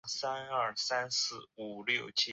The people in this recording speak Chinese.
三刈叶吴萸是芸香科吴茱萸属的植物。